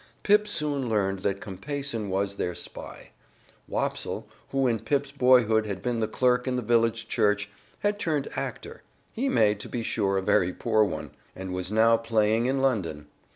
Pip soon learned that Compeyson was their spy. Wopsle, who in Pip's boyhood had been the clerk in the village church, had turned actor (he made, to be sure, a very poor one!), and was now playing in London.